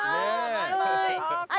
バイバイ。